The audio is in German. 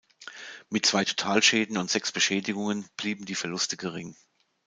Mit zwei Totalschäden und sechs Beschädigungen blieben die Verluste gering.